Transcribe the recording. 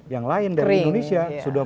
yang lain dari indonesia sudah